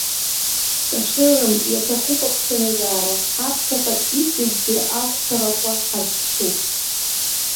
Кашыррам, иаҭахуп агәҽанызаара, ҳаԥхьаҟа иҵегьгьы ақәԥарақәа ҳазԥшуп.